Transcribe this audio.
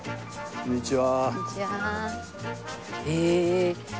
こんにちは。